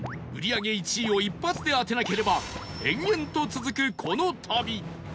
売り上げ１位を一発で当てなければ延々と続くこの旅